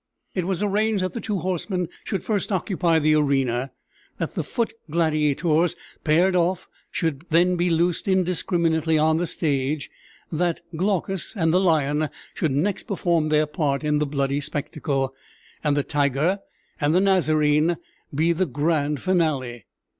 It was arranged that the two horsemen should first occupy the arena; that the foot gladiators, paired off, should then be loosed indiscriminately on the stage; that Glaucus and the lion should next perform their part in the bloody spectacle; and the tiger and the Nazarene be the grand finale.